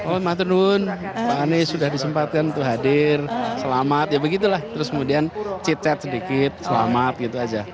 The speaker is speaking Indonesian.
oh maturnu pak anies sudah disempatkan untuk hadir selamat ya begitu lah terus kemudian cicet sedikit selamat gitu saja